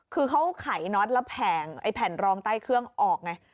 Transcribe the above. คือเขาไขน็อตแล้วแผงไอ้แผ่นรองใต้เครื่องออกไง